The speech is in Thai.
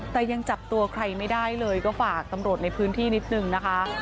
แต่ยังจับตัวใครไม่ได้เลยก็ฝากตำรวจในพื้นที่นิดนึงนะคะ